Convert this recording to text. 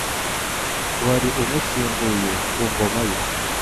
wari umusimbuye ku Ngoma ye